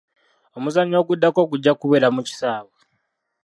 Omuzannyo oguddako gujja kubeera mu kisaawe.